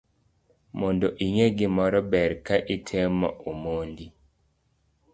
Mondo inge gimoro ber ka itemo omondi